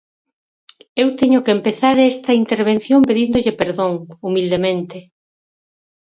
Eu teño que empezar esta intervención pedíndolle perdón, humildemente.